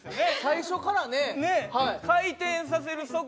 最初からね。